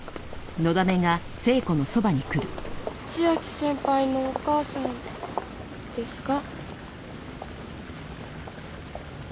千秋先輩のお母さんですか？